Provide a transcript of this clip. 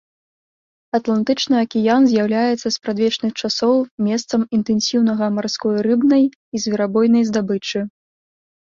Атлантычны акіян з'яўляецца з спрадвечных часоў месцам інтэнсіўнага марской рыбнай і зверабойнай здабычы.